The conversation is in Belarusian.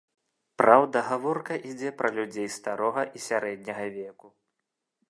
Праўда, гаворка ідзе пра людзей старога і сярэдняга веку.